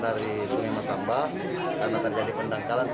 dari sungai masamba karena terjadi pendangkalan